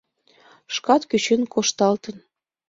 Шкат кӱчен кошталтын.